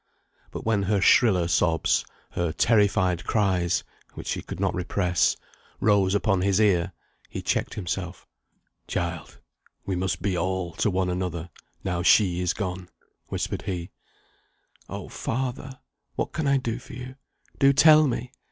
But when her shriller sobs, her terrified cries (which she could not repress), rose upon his ear, he checked himself. "Child, we must be all to one another, now she is gone," whispered he. "Oh, father, what can I do for you? Do tell me!